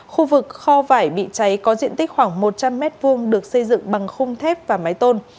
khu vực kho vải bị cháy có diện tích khoảng một trăm linh m hai được xây dựng bằng khung thép và máy tôn